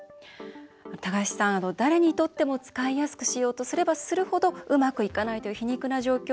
高橋さん、誰にとっても使いやすくしようとすればするほどうまくいかないという皮肉な状況